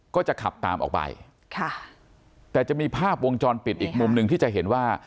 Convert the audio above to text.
ก็จะขับตามออกไปค่ะแต่จะมีภาพวงจรปิดอีกมุมหนึ่งที่จะเห็นว่า